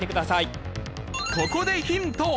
ここでヒント！